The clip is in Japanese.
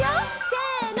せの！